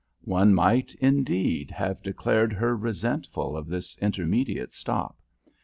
One might, indeed, have declared her resentful of this intermediate stop.